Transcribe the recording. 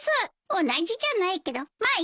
同じじゃないけどまあいいわ。